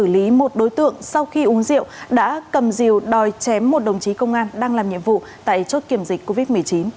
lý một đối tượng sau khi uống rượu đã cầm diều đòi chém một đồng chí công an đang làm nhiệm vụ tại chốt kiểm dịch covid một mươi chín